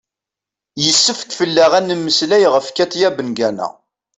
yessefk fell-aɣ ad d-nemmeslay ɣef katia bengana